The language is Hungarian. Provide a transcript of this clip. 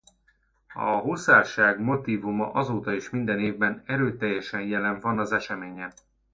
A huszárság motívuma azóta is minden évben erőteljesen jelen van az eseményen.